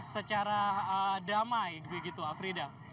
secara damai begitu frida